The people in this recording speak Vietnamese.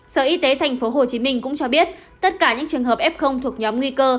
sở y tế tp hcm cũng cho biết tất cả những trường hợp f thuộc nhóm nguy cơ